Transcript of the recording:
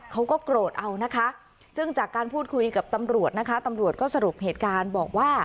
เขาก็โกรธเอานะคะซึ่งจากการพูดคุยกับตำรวจนะคะตำรวจก็สรุปเหตุการณ์บอกว่า